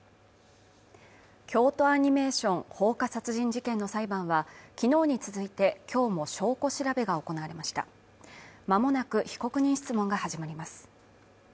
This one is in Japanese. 京都アニメーション放火殺人事件の裁判は昨日に続いて今日も証拠調べが行われました間もなく被告人質問が始まります